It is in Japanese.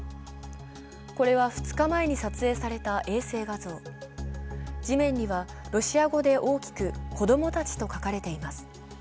これは２日前に撮影された衛星画像地面にはロシア語で大きく「子供たち」と書かれています。